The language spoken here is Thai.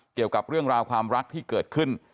เกี่ยวกับเรื่องราวความรักที่เกิดขึ้น